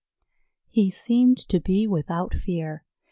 He seemed to be without fear.